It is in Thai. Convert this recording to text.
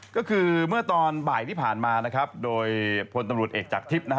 ก็คือเมื่อตอนบ่ายที่ผ่านมานะครับโดยพลตำรวจเอกจากทิพย์นะฮะ